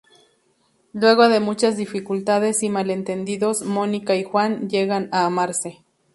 Luego de muchas dificultades y malentendidos, Mónica y Juan llegan a amarse.